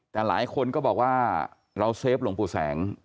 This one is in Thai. แต่หลายคนก็บอกว่าเราเซฟหลวงปู่แสง